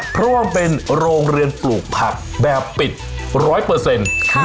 เพราะว่ามันเป็นโรงเรือนปลูกผักแบบปิดร้อยเปอร์เซ็นต์